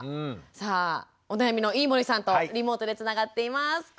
さあお悩みの飯森さんとリモートでつながっています。